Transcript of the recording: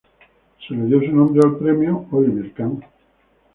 Se le dio su nombre al premio Olivier Kahn International Award.